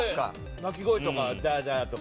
泣き声とかダーダーとか。